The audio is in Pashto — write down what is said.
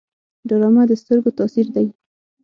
ډرامه د سترګو تاثیر دی